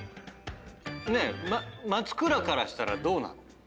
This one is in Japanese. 松倉からしたらどうなの？